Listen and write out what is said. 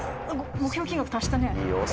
「目標金額、達したね」